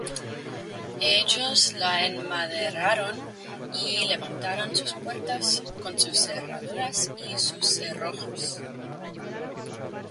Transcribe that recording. ellos la enmaderaron, y levantaron sus puertas, con sus cerraduras y sus cerrojos.